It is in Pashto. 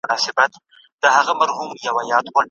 اوس نوبت دی د ژوندیو د زمان دغه پیغام دی